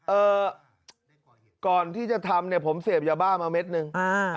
เอ่อก่อนที่จะทำเนี่ยผมเสพยาบ้ามาเม็ดหนึ่งอ่า